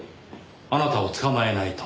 あなたを捕まえないと。